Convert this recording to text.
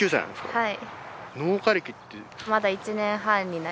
はい。